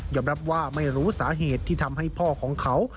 รับว่าไม่รู้สาเหตุที่ทำให้พ่อของเขา